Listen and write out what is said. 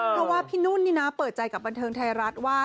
เพราะว่าพี่นุ่นนี่นะเปิดใจกับบันเทิงไทยรัฐว่า